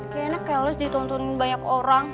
kayaknya kelas ditontonin banyak orang